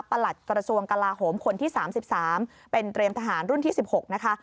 หลัดกระทรวงกลาโหมคนที่๓๓เป็นเตรียมทหารรุ่นที่๑๖นะคะ